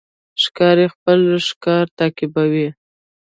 ښکاري خپل ښکار تعقیبوي.